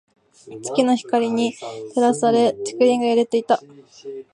月の光に照らされ、竹林が揺れていた。